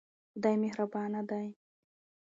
خدای مهربان دی.